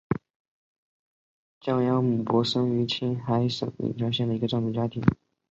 降央伯姆生于青海省囊谦县的一个藏族家庭。